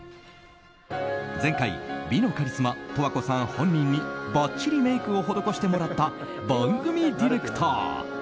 前回、美のカリスマ十和子さん本人にばっちりメイクを施してもらった番組ディレクター。